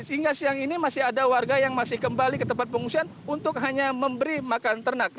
sehingga siang ini masih ada warga yang masih kembali ke tempat pengungsian untuk hanya memberi makan ternak